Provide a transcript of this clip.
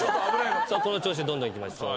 この調子でどんどんいきましょう。